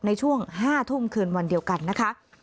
ในช่วง๕ทุ่มคืนวันเดียวกันนะคะ